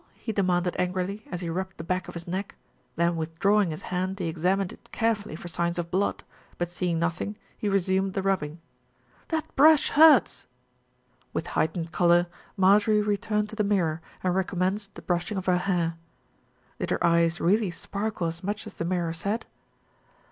he demanded angrily, as he rubbed the back of his neck, then withdrawing his hand he examined it carefully for signs of blood, but seeing nothing, he resumed the rubbing. "That brush hurts." With heightened colour, Marjorie returned to the mirror and recommenced the brushing of her hair. Did her eyes really sparkle as much as the mirror said?